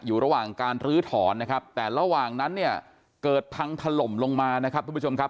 อยู่ระหว่างการลื้อถอนนะครับแต่ระหว่างนั้นเนี่ยเกิดพังถล่มลงมานะครับทุกผู้ชมครับ